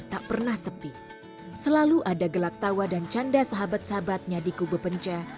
saya sedidik saya tambah tambah